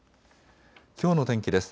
きょうの天気です。